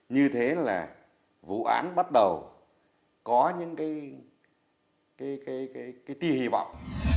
như thế là vụ án bắt đầu có những cái tiềm hi vọng